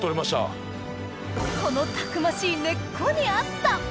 このたくましい根っこにあった！